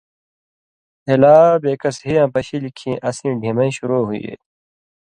ہِلا بے کس ہی یاں پشِلیۡ کھیں اسیں ڈِھمبَیں شُروع ہُوئے۔